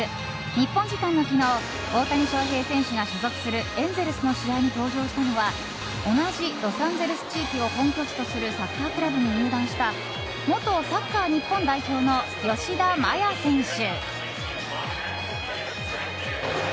日本時間の昨日大谷翔平選手が所属するエンゼルスの試合に登場したのは同じロサンゼルス地域を本拠地とするサッカークラブに入団した元サッカー日本代表の吉田麻也選手。